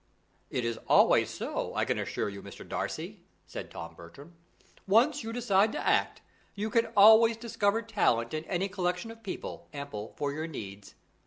"It is always so, I can assure you, Mr. Darcy," said Tom Bertram. "Once you decide to act, you can always discover talent in any collection of people, ample for your needs.